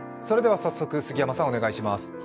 それでは、早速杉山さんお願いします。